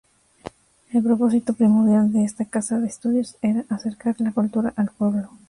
El propósito primordial de esta casa de estudios era acercar la cultura al pueblo.